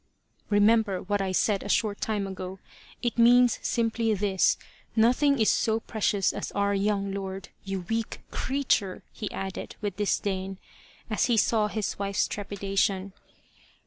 " Remember what I said a short time ago. It means simply this nothing is so precious as our young lord. You weak creature !" he added, with disdain, as he saw his wife's trepidation.